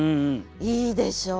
いいでしょう？